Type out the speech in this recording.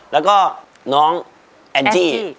แล้วก็น้องแอนจี้แอนจี้